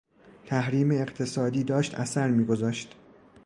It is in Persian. تحریم اقتصادی داشت اثر میگذاشت.